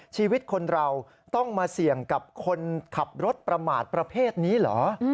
ชีวิตคนเราต้องมาเสี่ยงกับคนขับรถประมาทประเภทนี้เหรอ